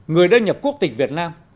người đơn nhập quốc tịch việt nam